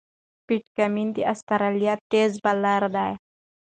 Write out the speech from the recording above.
پیټ کمېن د استرالیا تېز بالر دئ.